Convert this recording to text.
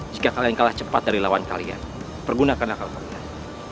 jika kalian kalah cepat dari lawan kalian pergunakan akal kami